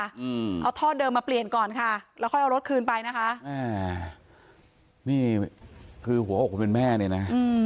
อืมเอาท่อเดิมมาเปลี่ยนก่อนค่ะแล้วค่อยเอารถคืนไปนะคะอ่านี่คือหัวอกคนเป็นแม่เนี่ยนะอืม